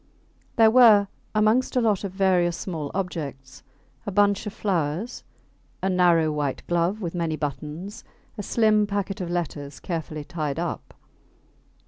There were, amongst a lot of various small objects, a bunch of flowers, a narrow white glove with many buttons, a slim packet of letters carefully tied up.